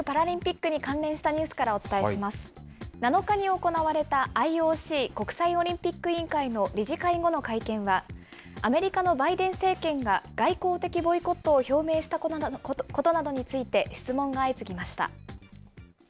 ７日に行われた、ＩＯＣ・国際オリンピック委員会の理事会後の会見は、アメリカのバイデン政権が外交的ボイコットを表明したことなどについて質問が相次ぎました。